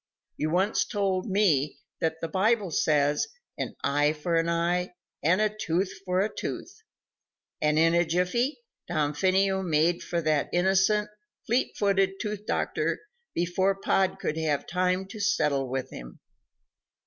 "You once told me that the Bible says, 'An eye for an eye, and a tooth for a tooth,'" and in a jiffy Damfino made for that innocent, fleet footed tooth doctor, before Pod could have time to settle with him.